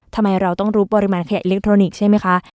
ทำไมเราต้องรู้ปริมาณขยะอิเล็กทรอนิกส์ใช่ไหมคะ